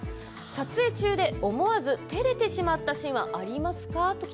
撮影中で思わず、てれてしまったシーンはありますか？